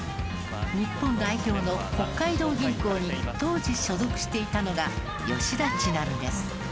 日本代表の北海道銀行に当時所属していたのが吉田知那美です。